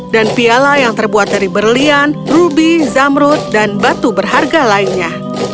dan piala yang terbuat dari berlian rubi zamrut dan batu berharga lainnya